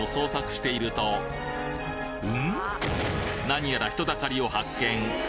何やら人だかりを発見